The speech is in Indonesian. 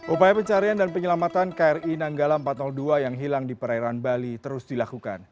upaya pencarian dan penyelamatan kri nanggala empat ratus dua yang hilang di perairan bali terus dilakukan